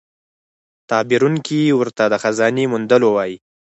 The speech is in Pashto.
تعبیرونکی ورته د خزانې موندلو وايي.